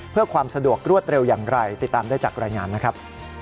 เพื่อความสะดวกรวดเร็วอย่างไรติดตามได้จากรายงานนะครับ